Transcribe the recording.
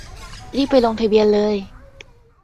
รีบไปลงทะเบียนเลย